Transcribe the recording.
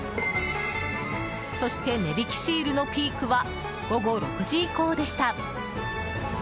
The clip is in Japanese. そして値引きシールのピークは午後６時以降でした。